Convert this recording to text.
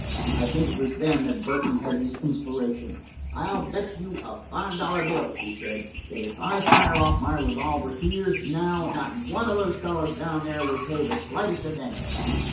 I think it was then that Burton had his inspiration. "I'll bet you a five dollar bill," he said, "that if I fire off my revolver here, now, not one of those fellows down there would pay the slightest attention."